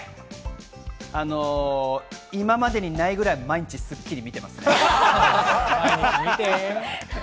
今までにないぐらい毎日『スッキリ』見てますね。